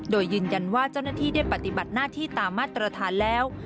โดยยืนยันว่าเจ้าหน้าที่ได้ปฏิบัติหน้าที่ตามมาตรฐานแล้ว